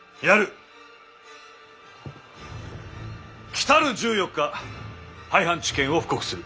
来る１４日廃藩置県を布告する。